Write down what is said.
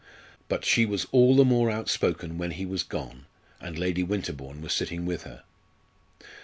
But she was all the more outspoken when he was gone, and Lady Winterbourne was sitting with her.